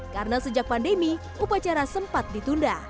karena sejak pandemi upacara sempat ditunda